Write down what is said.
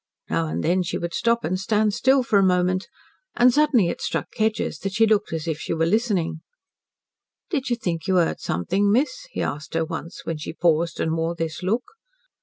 Now and then she would stop and stand still for a moment, and suddenly it struck Kedgers that she looked as if she were listening. "Did you think you heard something, miss?" he asked her once when she paused and wore this look.